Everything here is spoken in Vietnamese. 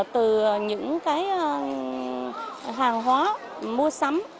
từ những cái hàng hóa mua sắm